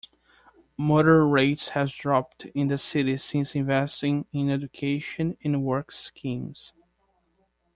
Murder rates have dropped in this city since investing in education and work schemes.